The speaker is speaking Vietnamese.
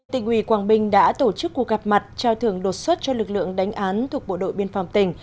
tỉnh ủy quảng bình đã tổ chức cuộc gặp mặt trao thưởng đột xuất cho lực lượng đánh án thuộc bộ đội biên phòng tỉnh